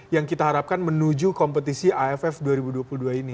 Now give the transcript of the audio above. yang kita harapkan menuju kompetisi aff dua ribu dua puluh dua ini